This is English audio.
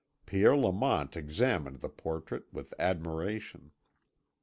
Pierre Lamont examined the portrait with admiration.